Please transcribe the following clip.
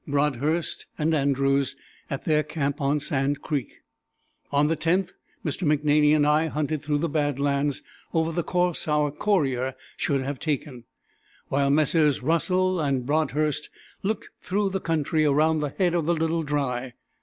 Brodhurst and Andrews, at their camp on Sand Creek. On the 10th, Mr. McNaney and I hunted through the bad lands over the course our courier should have taken, while Messrs. Russell and Brodhurst looked through the country around the head of the Little Dry.